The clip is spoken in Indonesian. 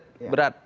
kurang macet berat